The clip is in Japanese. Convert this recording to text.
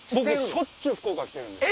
しょっちゅう福岡来てるんです。